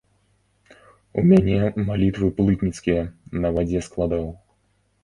У мяне малітвы плытніцкія, на вадзе складаў.